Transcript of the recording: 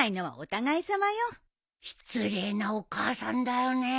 失礼なお母さんだよね。